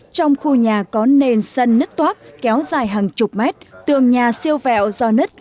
trong khu nhà có nền sân nứt toác kéo dài hàng chục mét tường nhà siêu vẹo do nứt